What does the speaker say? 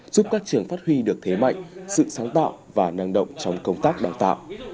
giúp các trường phát huy được thế mạnh sự sáng tạo và năng động trong công tác đào tạo